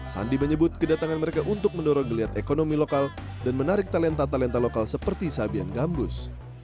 sandi menyebut kedatangan mereka untuk mendorong geliat ekonomi lokal dan menarik talenta talenta lokal seperti sabian gambus